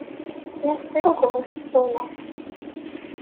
La tesrugmut tfunast.